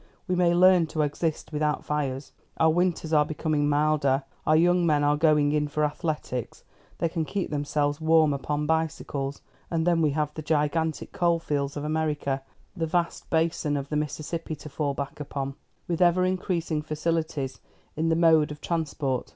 We may learn to exist without fires. Our winters are becoming milder; our young men are going in for athletics; they can keep themselves warm upon bicycles. And then we have the gigantic coal fields of America, the vast basin of the Mississippi to fall back upon, with ever increasing facilities in the mode of transport.